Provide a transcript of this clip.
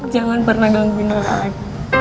jangan pernah gangguin rahat lagi